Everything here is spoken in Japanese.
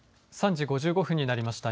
３時５５分になりました。